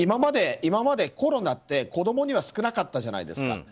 今までコロナって子供には少なかったじゃないですか。